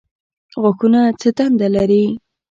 غاښونه څه دنده لري؟